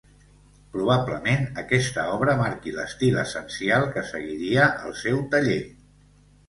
Probablement aquesta obra marqui l'estil essencial que seguiria el seu taller.